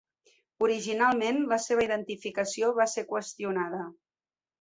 Originalment, la seva identificació va ser qüestionada.